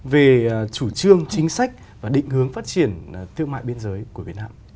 về chủ trương chính sách và định hướng phát triển thương mại biên giới của việt nam